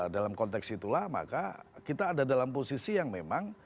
dalam konteks itulah maka kita ada dalam posisi yang memang